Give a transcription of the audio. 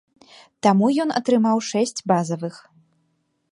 Таму ён атрымаў шэсць базавых.